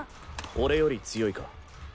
俺より強いか？